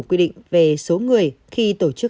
quy định về số người khi tổ chức